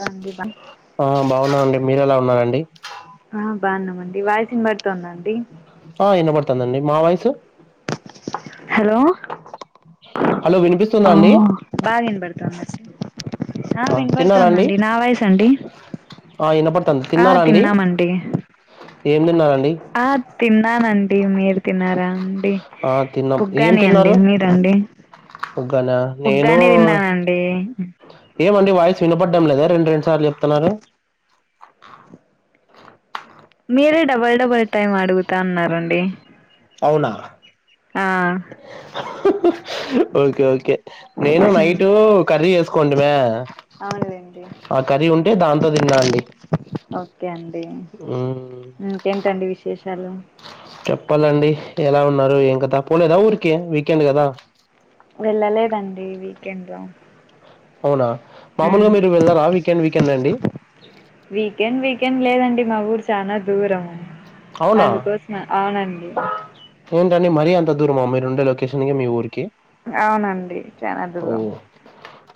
రాండి బ ఆ బాగున్నానండి మీర ఎలా ఉన్నారండి ఆ బావున్నామండి వాయిస్ వినబడుతుందా అండి ఆ ఇనబడుతుందండి మా వాయిస్ హలో హలో వినిపిస్తుందా ఆ అండి బాగా వినబడుతుంది ఆ తిన్నారా అండి వినబడుతుందండి నా వాయిస్ అండి ఆ వినపడుతుంది ఆ తిన్నారా అండి తిన్నామండి ఏం తిన్నారాండి ఆ తిన్నానండి మీరు తిన్నారా అండి ఆ తిన్నాం ఉగ్గాని అండి మీరండి ఉగ్గానా నేను అే ఏమండి వాయిస్ వినపడ్డం లేదా రెండు రెండు సార్లు చెప్తున్నారు మీరే డబల్ డబల్ టైమ్ అడుగుతాన్నారండి అవునా ఓకే ఓకే నేను నైట్ కర్రీ చేసుకుంటిమా అవునులేండి ఆ కర్రీ ఉంటే దాంతో తిన్నా అండి ఓకే అండి మ్మ్ ఇకేంటండి విశేషాలు చెప్పాలండి ఎలా ఉన్నారు ఏం కథ పోలేదా ఊరికే వీకెండ్ కదా వెళ్ళలేదండి వీకెండ్లో అవునా మాములుగా మీరు వెళ్ళారా వీకెండ్ వీకెండ్ అండి వీకెండ్ వీకెండ్ లేదండి మా ఊరు చానా దూరము అవునా అందుకోసమ అవునండి ఏంటండి మరీ అంత దూరమా మీరు ఉండే లోకెషన్కి మీ ఊరికి అవునండి చానా ఓ దూరం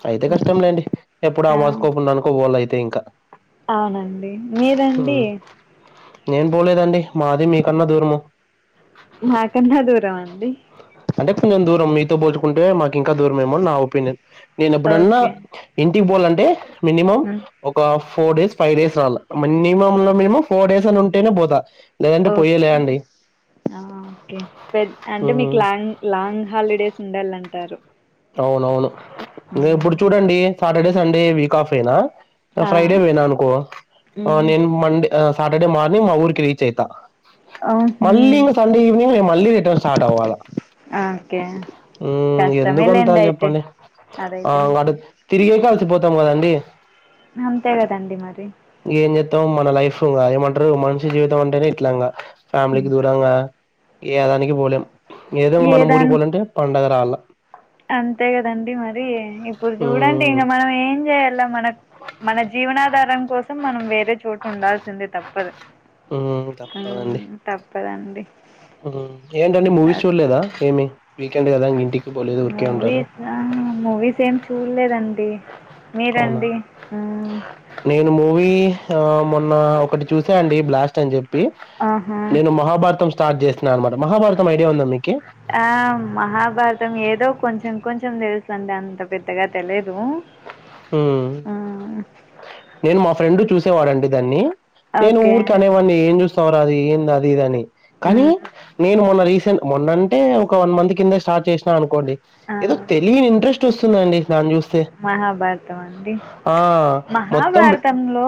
అయితే కష్టం లేండి ఎప్పుడో ఆ అమావాస్యకొ పున్నాన్నుకో పోవాలా అయితే ఇంకా అవునండి మీరండి హ్మ్ నేను పోలేదండి మాది మీకన్నా దూరము మాకన్నా దూరమా అండి అంటే కొంచెం దూరం మీతో పోలుచుకుంటే మాకు ఇంకా దూరం ఏమోనని నా ఒపీనియన్ నేను ఎప్పుడన్నా ఓకే ఇంటికి పోలంటే మినిమం ఒక ఫోర్ డేస్ ఫైవ్ డేస్ రాల మినిమమ్ లో మినిమం ఫోర్ డేస్ అన ఉంటే పోతా లేదంటే పోయేలే ఓకే అండి ఆ ఓకే పెద్ అంటే హ్మ్ మీకు లాంగ్ లాంగ్ హాలిడేస్ ఉండాలంటారు అవును అవును ఇప్పుడు చూడండి సాటర్డే సండే వీక్ ఆఫేనా అ ఆ ఫ్రైడే వోయినా అనుకో ఆ మ్మ్ నేను మండ్ ఆ సాటర్డే మార్నింగ్ మా ఊరికి రీచ్ అయితా ఆహా మళ్ళీ ఇంగ్ సండే ఈవినింగ్ నే మళ్ళీ రిటర్న్ స్టార్ట్ అవ్వాలా ఆ ఒకే కష్టమేలే నాకు చెప్పండి ఆ అట తిరిగేకే అలిసిపోతాం కదండీ అంతే కదండి మరి ఏం చేత్తాం మన లైఫ్ ఆ ఏమంటరు మనిషి జీవితం అంటేనే ఇట్లాంగా ఫ్యామిలీకి దూరంగా ఏదానికి పోలేం ఏదో మనం ఊరికి ఏదాని పోవాలంటే పండగ రావాల అంతే కదండి మరి ఇప్పుడు చూడండి మ్మ్ ఇంగ మనం ఏం చేయాలో మనకు మన జీవనాధారం కోసం మనం వేరే చోటు ఉండాల్సిందే తప్పదు ఉమ్ తప్పదండి మ్మ్, తప్పదండి మ్మ్ ఏంటండి మూవీస్ చూడలేదా ఏమి వీకెండ్ కదా ఏంటి మూవీసా మూవీస్ ఏమి చూల్లేదండి అవునా మీరండి హ్మ్ నేను మూవీ హా మొన్న ఒకటి చూసా అండి బ్లాస్ట్ అని చెప్ పి ఆహా నేను మహాభారతం స్టార్ట్ చేసిన అనమాట మహాభారతం ఐడియా ఉందా మీకు ఆ మహాభారతం ఏదో కొంచెం కొంచెం తెలుసు అండి అంత పెద్దగా తెలియదు హ్మ్ మ్మ్, నేను మా ఫ్రెండ్ చూసేవాడండి దాన్ని నేను ఓకే ఊరికి అనేవాడిని ఏం చూస్తావురా అది ఏంది అది ఇది అని కానీ మ్మ్, నేను మొన్న రీసెంట్ మొన్నంటే ఒక వన్ మంత్ కింద స్టార్ట్ చేసినా అనుకోండి ఆ, ఏదో తెలియని ఇంట్రెస్ట్ వస్తుంది అండి దాన్ని చూస్తే మహాభార్ త మండి ఆ మొత్తం మహాభారతంలో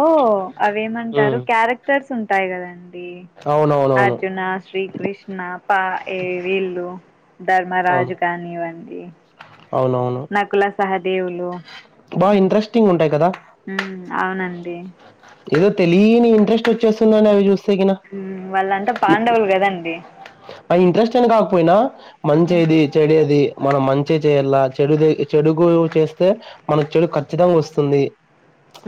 అవేమంటారు ఉమ్ క్యారె క్టర్స్ ఉంటాయి కదండి అవునవునవును అర్జున శ్రీకృష్ నా పా ఏ వీళ్ళు ధర్మరాజు కానివ్వండి అవును అవును నకుల సహదేవులు బాగా ఇంట్రెస్టింగ్ ఉంటాయి కదా హ్మ్ అవునండి ఏదో తెలీని ఇంట్రెస్ట్ వచ్చేస్తుందండి అవి చూస్ హ్మ్ వాళ్ళంతా పాండవులు కదండి ఆ ఇంట్రెస్ట్ అయినా కాకపోయినా మంచేది చెడేది మనం మంచే చేయ్యల చెడుదే చెడుగు చేస్ తే మనకు చెడు ఖచ్చితంగా వస్తుంది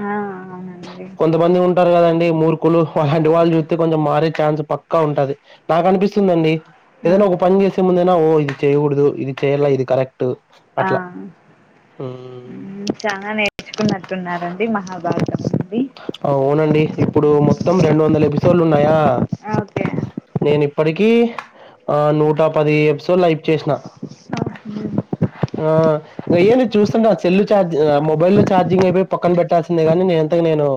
ఆ అవునండి ప్చ్ కొంతమంది ఉం టారు కదండి మూర్ఖులు అలాంటి వాళ్ళు చూత్తే కొంచెం మారే ఛాన్స్ పక్కా ఉంటాది నాకు అనిపిస్తుందండి ఆ ఏదైనా ఒక పని చేసే ముందేనా ఓ ఇది చేయకూడదు ఇది చేయాలా ఇది కరెక్టు ఆ మ్మ్ చానా నేర్చుకున్నట్టున్నారండి మహాభారతం నుండి అవునండి ఇప్పుడు మొత్తం రెండు వందల ఎపిసోడ్లు ఉన్నాయా అవ్ నేను ఇప్పటికి ఆ నూట పది ఎపిసోడ్లు ఐప్ చేసిన హ్మ్ ఆ ఇంగ ఏంది చూస్తుంటే సెల్లు చార్జి ఆ మొబైల్లో ఛార్జింగ్ అయిపోయి పక్కన పెట్టాల్సిందే గానీ నేం తకి నేను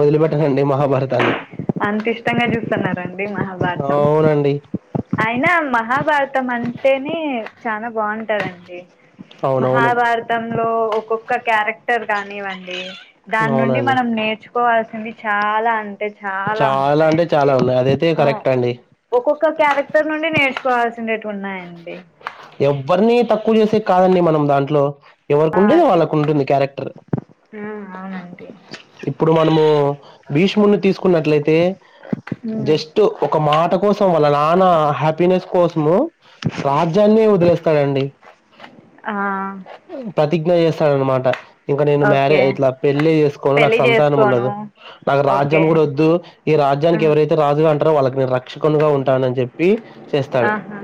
వదిలిపెట్టనండి మహాభారతాన్ని అంత ఇష్టంగా చూస్తున్నారండి మహాభారతం అవునండి అయినా మహాభారతం అంటేనే చాలా బాగుంటదండి అవునవును మహాభారతంలో ఒక్కొక్క క్యారెక్టర్ కానివ్వండి దాని నుండి అవునండి మనం నేర్చుకోవాల్సింది చాలా అంతే చాలా అంటే ఉంటాయండి చాలా ఉన్నాయి అదైతే కరెక్ట్ అండి ఒక్కొక్క క్యారెక్టర్ నుండి నేర్చుకోవాల్సినటివి ఉన్నాయండి ఎవరిని తక్కువ చేసే కాదండి మనం దాంట్లో ఎవరికి ఆ ఉండేది అదైతే వాళ్ళకు ఉంటుంది క్యారెక్టర్ అవునా అండీ ఇప్పుడు మనము భీష్ముని తీసుకున్నట్లయితే ఉమ్, జస్ట్ ఒక మాట కోసం వాళ్ళ నాన్న హ్యాపీనెస్ కోసము రాజ్యాన్ని వదిలేస్తాడండి ఆ ప్రతిజ్ఞ చేస్తాడన్నమాట ఇంకా నేను మ్యారే ఓకే ఇట్లా పెళ్ళి చేసుకోని నాకు పెళ్ళి సంతానం చేసుకోను ఉండదు నాకు రాజ్యం ఓకే కూడా వద్దు ఈ ఆ, రాజ్యానికి ఎవరైతే రాజుగా అంటారో వాళ్ళకి నేను రక్షకునుగా ఉంటానని చెప్పి చేస్తాడు ఆహా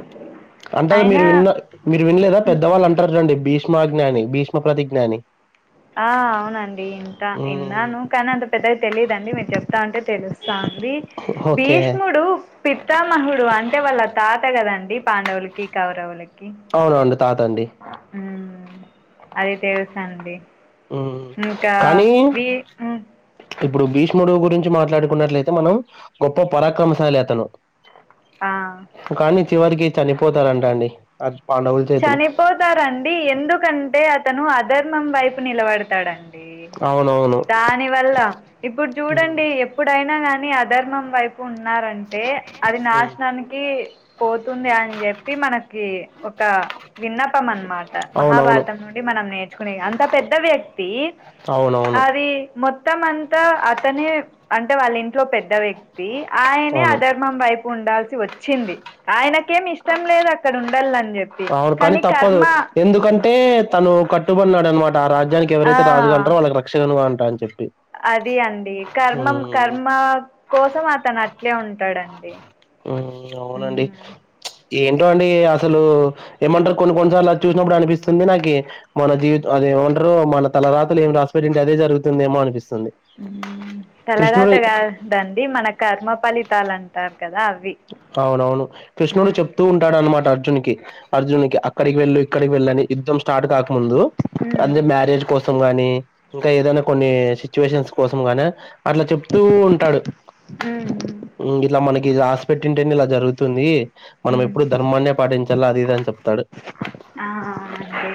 అంటారు అయినా మీరు విన్న మీరు వినలేదా ఉమ్, పెద్దవాళ్ళు అంటారు రండి భీష్మాజ్ఞాని భీష్మ ప్రతిజ్ఞాని ఆ అవునండి ఇంత ఇన్నాను కానీ అంత పెద్దది తెలీదుండి మేము చెప్తా ఉంటే తెలుస్తా ఉంది బీ ఓకే భీష్ముడు పిత్తామహుడు అంటే వాళ్ళ తాత కదండి పాండవులకి కౌరవులకి అవునండి తాత అండి ఉ అది తెలుసండి మ్మ్ ఇంకా కానీ వఊ ఇప్పుడు భీష్ముడు గురించి మాట్లాడుకున్నట్లయితే మనం గొప్ప పరాక్రమశాలి అతను ఆ కానీ చివరికి చనిపోతారంట అండి పాండవుల చేతిలో చనిపోతారండి ఎందుకంటే అతను అధర్మం వైపు నిలబడతాడండి అవునవును దాని వల్ల ఇప్పుడు మ్మ్ చూడండి ఎ ఇప్పుడైనా గాని అధర్మం వైపు ఉన్నారంటే అది మ్మ్ నాశనానికి పోతుంది అని చెప్పి మనకి ఒక విన్నపం అనమాట అవునవును. మహాభారతం నుండి మనం నేర్చుకునే అంత పెద్ద వ్యక్తి అవున అవును అది మొత్తం అంతా అతనే అంటే వాళ్ళ ఇంట్లో పెద్ద వ్యక్తి ఆయనే అవును. అధర్మం వైపు ఉండాల్సి వచ్చింది ఆయనకేం ఇష్టం ఇష్టం లేదు అక్కడ ఉండాలని చెప్పి అవును కానీ తప్పదు కర్మ ఎందుకంటే తను కట్టుబడిన్నాడ అనమాట ఆ రాజ్యానికి ఆ, ఎవరైతే రాజుగా ఉంటారో వాళ్లకి రక్షణగా ఉంటా అ చెప్పి అది అండి కర్మం హ్మ్. కర్మ కోసం అతను అట్లే ఉంటాడండి అవునండి ఉమ్. ఏంటో అండి అసలు ఏమంటారు కొన్ని కొన్నిసార్లు అది చూసినప్పుడు అనిపిస్తుంది నాకి మన జీవితం అదేమంటారు మన తలరాతలు ఏం రాసిపెట్టింటే అదే జరుగుతుంది ఏమో అనిపిస్తుంది తలవాత కృష్ణుడు కాదండి మన కర్మ ఫలితాలు అంటారు కదా అవి అవునఅవును కృష్ణుడు చెప్తూ ఉంటాడు అన్నమాట అర్జున్ కి అర్జున్ కి అక్కడికి వెళ్ళు ఇక్కడికి వెళ్ళ అని యుద్ధం స్టార్ట్ కాకముందు అంటే మ్యారేజ్ కోసం గాని ఇంకా ఏదైనా కొన్ని సిచ్యువేషన్స్ కోసం గానే అట్లా చెప్తూ ఉంటాడు ఉ ఇ ఇట్లా మనకి రాసిపెట్టింటే ఇలా జరుగుతుంది మనం ఉమ్, ఎప్పుడు ధర్మాన్ని పాటించాలి అది ఇది అని చెప్త తడు ఆ, అవునండి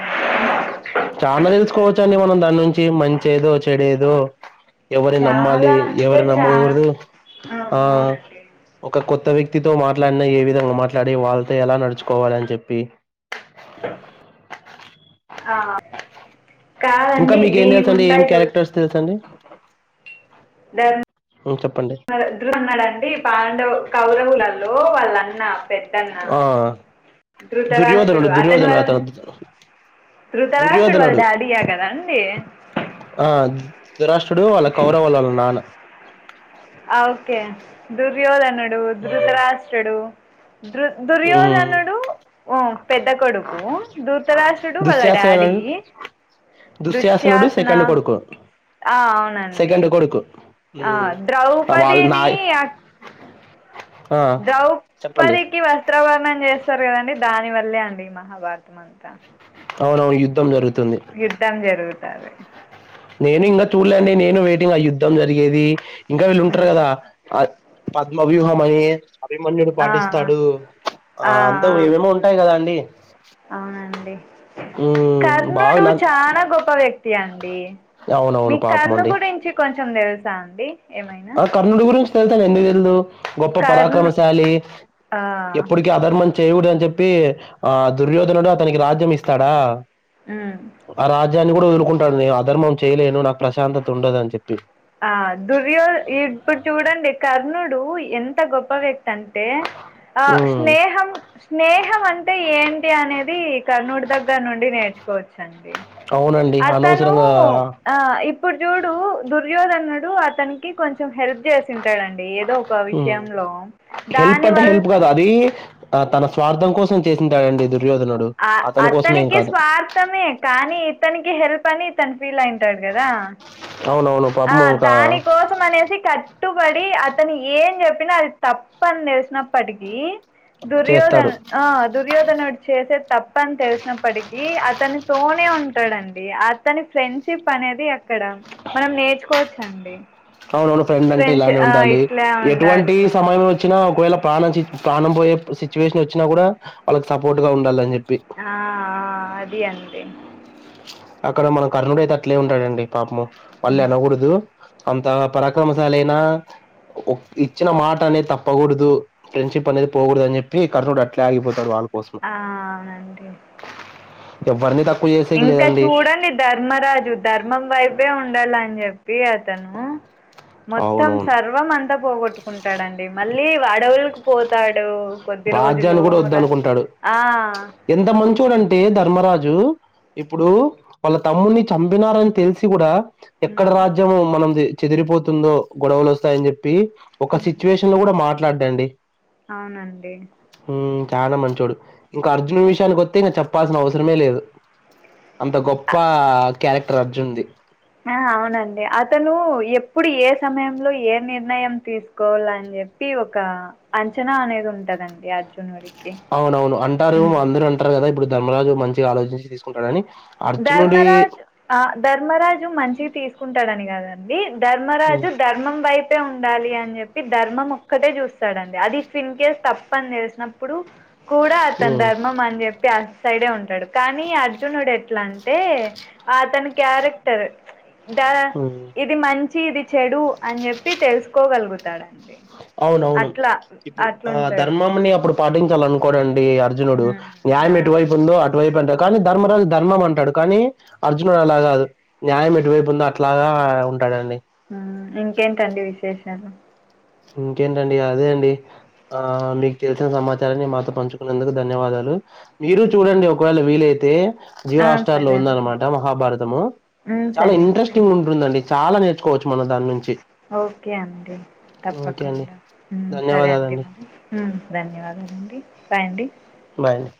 చానా తెలుసుకోవచ్చు అండి మనం దాని నుంచి మంచేదో చెడేదో ఎవరిని నమ్మాలి చాలా అంటే ఎవరిని చాలా నమ్మగుడదు ఆ ఒక కొత్త వ్యక్తితో మాట్లాడిన ఏ విధంగా మాట్లాడి వాళ్ళతో ఎలా నడుచుకోవాలని చెప్పి స [inaudible] ఆ ఇంకా కాదండి మీక ఏం దీవి తెలుసండి ఏం ఉంటాయి చూడు క్యారెక్టర్స్ తెలుసండి దన్ [unintelligible] ఉమ్ చెప్పండి వాళ్లు ఇద్దరూ ఉన్నారండి పాండవ కౌరవులలో వాళ్ళ అన్న ఆ ధృతరాష్ట్రుడు దుర్యోధనుడు అతని దుర్యోధనుడు వల్ల అతను ధృతరాష్ట్రుడు వాళ్ళ దుర్యోధనుడు డాడీ య కాదండీ ఆ దురాష్ట్రుడు వాళ్ళ కౌరవులు వాళ్ళ నాన్న ఓకే దుర్యోధనుడు ఉమ్, ధృతరాష్ట్రడు దృ ఉమ్. దుర్యోధనుడు పెద్ద కొడుకు దృతరస్థుడు వాళ్ళ డాడీ దుశ్యాసనడు దుశ్శాసన సెకండ్ కొడుకు ఆ, అవునండి సెకండ్ కొడుకు ఆ, ఉమ్ అవళ ద్రౌపదిని నాయి అక్- చెప్పండి ద్రౌపదికి వస్త్రవర్ణం చేస్తారు కదండి దాని వల్లే అండి ఈ మహాభారతం అంతా అవును యుద్ధం జరుగుతుంది యుద్ధం జరుగుతది నేను ఇంకా చూడలేండి నేను వెయిటింగ్ ఆ యుద్ధం జరిగేది ఇంకా వీళ్ళు ఉంటారు కదా పద్మ వ్యూహం అని అభిమన్యుడు ఆ పాటిస్తాడు ఆ అంతా ఏవేమో ఉంటాయి కదా అండి అవునండి ఉమ్ బాగా కర్ణుడు నాకు చాలా గొప్ప వ్యక్తి అండీ అవునవును మీ పాపం కర్ణు అండి గురించి కొంచెం తెలుసా అండి ఏమైనా కర్నుడు గురించి తెల్సండి ఎందుకు తెలీదు గొప్ప కర్ణ పరాక్రమశాలి ఆ ఎప్పుడు అధర్మం చేయయుడు అని చెప్పి ఆ దుర్యోధనుడు అతనికి రాజ్యం ఇస్తాడా ఆ ఆ రాజ్యాన్ని కూడా వదులుకుంటాడు నేను అధర్మం చేయలేను నాకు ప్రశాంతత ఉండదు అని చెప్పి ఆ దుర్యో ఇప్పుడు చూడండి కర్ణుడు ఎంత గొప్ప వ్యక్తి అంటే ఆ ఉమ్ స్నేహం స్నేహం అంటే ఏంటి అనేది కర్నూడు దగ్గర నుండి నేర్చుకోవచ్చండి అవునండి అతను అనవసరంగా ఆ ఇప్పుడు చూడు దుర్యోధనుడు అతనికి కొంచెం హెల్ప్ చేసింటాడండి ఏదో ఒక ఉమ్ విషయంలో దాని వల్ల అయి ఆ తన స్వార్థం కోసం చేసింటాడండి దుర్యోధనుడు అతని కోసమేం అతనికి కాదు స్వార్థమే కానీ ఇతనికి హెల్ప్ పని తను ఫీల్ అయింటాడు కదా అవునవును ఆ పాపం ఇంకా దానికోసం కోసం అనేసి కట్టుబడి అతను ఏం చెప్పినా అది తప్పని తెలిసినప్పటికీ దుర్యోధన చేస్తాడు ఆ దుర్యోధనడు చేసే తప్పని తెలిసినప్పటికీ అతనితోనే ఉంటాడండి అతని ఫ్రెండ్షిప్ అనేది ఇక్కడ మనం నేర్చుకోవచ్చండి అవునవును ఫ్రెండ్ అంటే ఫ్రెండ్స్ ఇలానే ఆ ఉండాలి ఇట్లా ఉండాలి ఎటువంటి సమయం వచ్చినా ఒకవేళ ప్రాణం ప్రాణం పోయే సిచ్యువేషన్ వచ్చినా కూడా వాళ్ళకి సపోర్ట్ గా ఉండాలి అని చెప్పి ఆ అది అంతే అక్కడ మనం కర్ణుడు అయితే అట్లే ఉంటాడండి పాపము మళ్ళీ ఉమ్. అనకూడదు అంత పరాక్రమశాలైనా ఇచ్చిన మాట అనే తప్పకూడదు ఫ్రెండ్షిప్ అనేది పోకూడదని చెప్పి కర్ణుడు అట్లే ఆగిపోతా వాళ్ళు కోసం ఆ అవునండి ఎవరిని తక్కువ చేసేకి ఇంకా లేదండి చూడండి ధర్మరాజు ధర్మం వైపే ఉండాలని చెప్పి అతను మొత్తం అవునవును. సర్వం అంతా పోగొట్టుకుంటాడండి మళ్ళీ అడవులకు పోతాడు కొద్ది రోజులు రా ఉంటాడు ఆ ఎంత మంచోడంటే ధర్మరాజు ఇప్పుడు వాళ్ళ తమ్ముడిని చంపినారని తెలిసి కూడా ఎక్కడ రాజ్యము మనంది చెదిరిపోతుందో గొడవలు వస్తాయని చెప్పి ఒక సిచ్యువేషన్ లో కూడా మాట్లాడ్డండి అవునండి చాలా మంచోడు ఇంకా అర్జున్ విషయానికి వస్తే ఇంకా చెప్పాల్సిన అవసరమే లేదు. అంత గొప్ప క్యారెక్టర్ అర్జున్ది ఆ అవునండి అతను ఎప్పుడు ఏ సమయంలో ఏ నిర్ణయం తీసుకోవాల అని చెప్పి ప్పి ఒక అంచనా అనేది ఉంటదండి. అర్జునుడికి అవునవును అంటారు మా ఉమ్. అందరూ అంటారు కదా ఇప్పుడు ధర్మరాజు మంచిగా ఆలోచించి తీసుకుంటాడని అర్జునుడి ధర్మరాజ్ ఆ ధర్మరాజు మంచి తీసుకుంటాడని కద ది హ్మ్. ధర్మరాజు ధర్మం వైపు ఉండాలి అని చెప్పి ధర్మం ఒక్కటే చూస్తాడండి అది ఇఫ్ ఇన్ కేస్ తప్పని తెలిసినప్పుడు కూడా అతని హ్మ్. ధర్మం అని చెప్పి అటు సైడే ఉంటాడు కానీ అర్జునుడు ఎ ఎట్లాంటే అతని క్యారెక్టర్ ద హ్మ్. ఇ ఇది మంచి ఇది చెడు అని చెప్పి తెలుసుకోగలుగుతాడ అవునవును ఇప్పుడు ఆ అట్లుంటాడు ధర్మముని అప్పుడు పాటించాలనుకోడండి అర్జునుడు ఉమ్, న్యాయం ఆ, ఎటువైపు ఉందో అటువైపు అంటారు కానీ ధర్మరాజు ధర్మం అంటాడు కానీ అర్జునుడు అలా కాదు న్యాయం ఎటువైపు ఉందో అట్లాగా ఉంటాడండి ఇంకేంటండి విశేషాలు ఇంకేంటండి అదే అండి ఆ మీకు తెలిసిన సమాచారాన్ని మాతో పంచుకునందుకు ధన్యవాదాలు మీరు చూడండి ఒకవేళ వీలైతే జియో ఆ, హాట్స్టార్ లో సరే అండి ఉందనమాట మహాభారతము ఉమ్ చాలా సరే అండి ఇంట్రెస్టింగ్ ఉంటుందండి చాలా నేర్చుకోవచ్చు మనం దాని నుంచి ఓకే అండి ఓకే అండి తప్పకుండా మ్ సరే అండి ధన్యవాదాలండి మరి ధన్యవాదాలండి బాయ్ అండి బాయండి